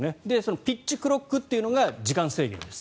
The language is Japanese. ピッチクロックというのが時間制限です。